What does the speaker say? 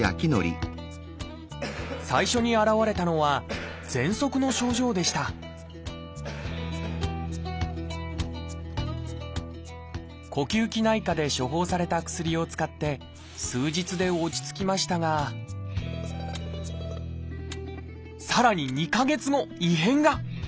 最初に現れたのはぜんそくの症状でした呼吸器内科で処方された薬を使って数日で落ち着きましたがさらに２か月後異変が！